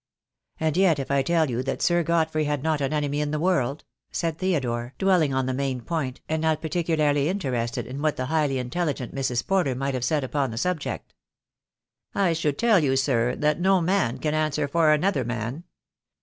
"And yet if I tell you that Sir Godfrey had not an enemy in the world?" said Theodore, dwelling on the main point, and not particularly interested in what the highly intelligent Mrs. Porter might have said upon the subject. "I should tell you, sir, that no man can answer for another man.